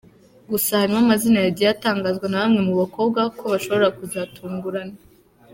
Gusa harimo amazina yagiye atangazwa na bamwe mu bakobwa ko ashobora kuzatungurana.